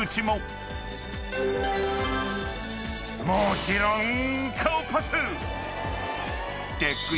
［もちろん］